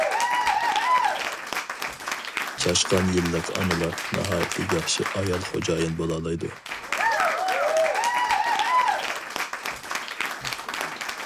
چاشقان يىللىق ئانىلار ناھايىتى ياخشى ئايال خوجايىن بولالايدۇ.